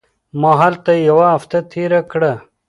ما هلته یوه هفته تېره کړه.